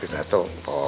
ini pindah tungkol